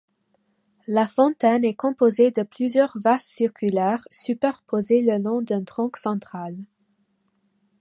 La fontaine est composée de plusieurs vasques circulaires superposées le long d'un tronc central.